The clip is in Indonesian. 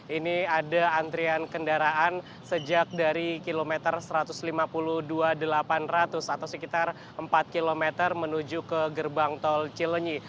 ini ada antrian kendaraan sejak dari kilometer satu ratus lima puluh dua delapan ratus atau sekitar empat km menuju ke gerbang tol cilenyi